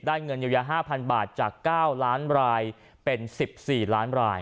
เงินเยียวยา๕๐๐บาทจาก๙ล้านรายเป็น๑๔ล้านราย